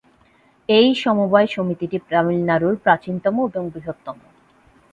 এই সমবায় সমিতিটি তামিলনাড়ুর প্রাচীনতম এবং বৃহত্তম।